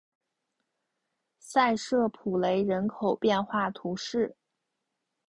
塞舍普雷人口变化图示